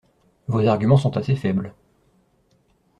Vos arguments sont assez faibles.